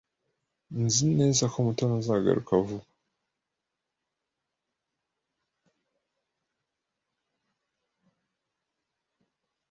Nzi neza ko Mutoni azagaruka vuba.